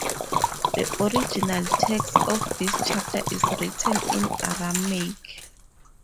The original text of this chapter is written in Aramaic.